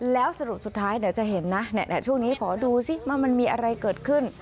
แล้วสรุปสุดท้ายเดี๋ยวจะเห็นนะช่วงนี้ขอดูสิว่ามันมีอะไรเกิดขึ้น